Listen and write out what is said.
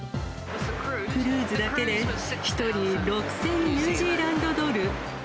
クルーズだけで１人６０００ニュージーランドドル。